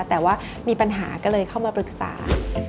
แต่ว่ามีปัญหาก็เลยเข้ามาปรึกษา